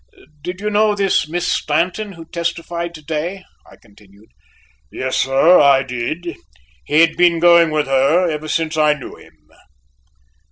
"Did you know this Miss Stanton, who testified to day?" I continued. "Yes, sir, I did; he had been going with her ever since I knew him."